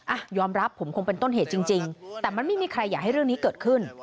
อ่ะยอมรับผมคงเป็นต้นเหตุจริงแต่มันไม่มีใครอยากให้เรื่องนี้เกิดขึ้น